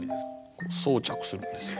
装着するんですよ。